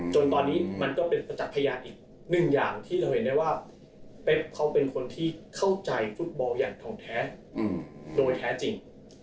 จนตอนนี้มันก็เป็นประจักษ์พยานอีกหนึ่งอย่างที่เราเห็นได้ว่าเป๊บเขาเป็นคนที่เข้าใจฟุตบอลอย่างทองแท้โดยแท้จริง